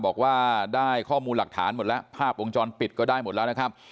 บอกว่าได้ข้อมูลหลักฐานหมดแล้วภาพวงจรปิดก็ได้หมดแล้วนะครับ